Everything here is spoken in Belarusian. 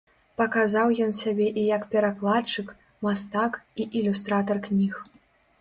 Паказаў ён сябе і як перакладчык, мастак і ілюстратар кніг.